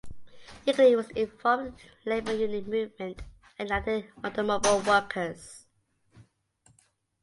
Yeagley was involved with the labor union movement and the United Automobile Workers.